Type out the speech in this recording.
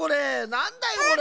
なんだよこれ。